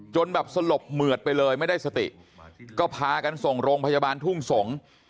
จนแบบสลบเหมือดไปเลยไม่ได้สติก็พากันส่งโรงพยาบาลทุ่งสงศ์